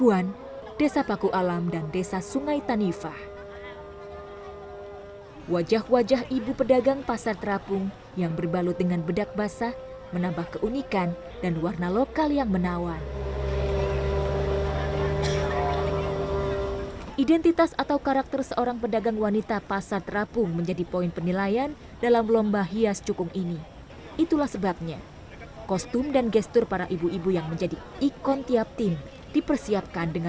wantsu mengwenangkannya cose agency plan